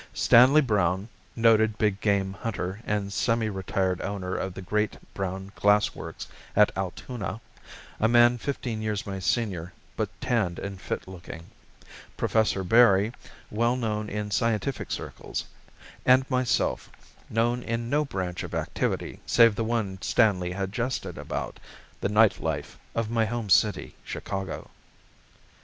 Stanley Browne, noted big game hunter and semi retired owner of the great Browne Glassworks at Altoona, a man fifteen years my senior but tanned and fit looking; Professor Berry, well known in scientific circles; and myself, known in no branch of activity save the one Stanley had jested about the night life of my home city, Chicago.